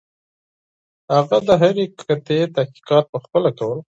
هغه د هرې قطعې تحقیقات پخپله کول.